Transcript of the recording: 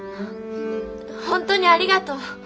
本当にありがとう。